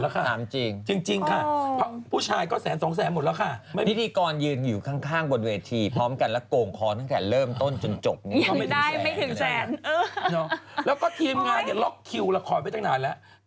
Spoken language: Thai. เขาบอกว่าแทนที่นั้นอิเว้นต์ทำไมน่าโง่จ้างมาก